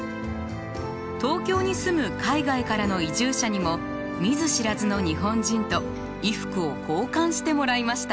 東京に住む海外からの移住者にも見ず知らずの日本人と衣服を交換してもらいました。